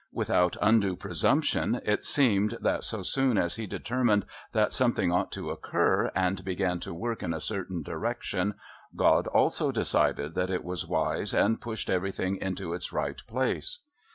Without undue presumption it seemed that so soon as he determined that something ought to occur and began to work in a certain direction, God also decided that it was wise and pushed everything into its right place.